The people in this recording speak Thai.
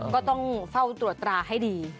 ก็ต้องเฝ้าตรวจตราให้ดี